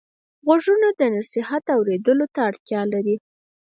غوږونه د نصیحت اورېدلو ته اړتیا لري